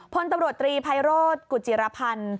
พตตรีไพโรธกุจิรพันธ์